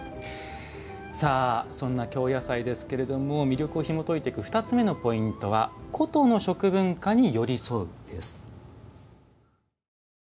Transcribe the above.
そんな京野菜ですが魅力をひもといていく２つ目のポイントは「古都の食文化に寄り添う」です。